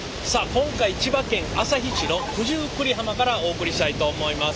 今回千葉県旭市の九十九里浜からお送りしたいと思います。